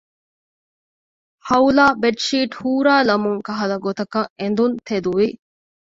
ހައުލާ ބެޑްޝީޓް ހޫރާލަމުން ކަހަލަ ގޮތަކަށް އެނދުން ތެދުވި